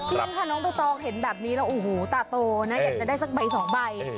นี่ค่ะน้องใบตองเห็นแบบนี้แล้วโอ้โหตาโตนะอยากจะได้สักใบสองใบ